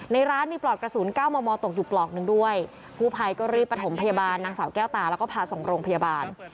ในร้านมีปลอกกระสุนเก้ามอมอตกอยู่ปลอกหนึ่งด้วยผู้ภัยก็รีบประถมพยาบาลนางสาวแก้วตาแล้วก็พาส่งโรงพยาบาล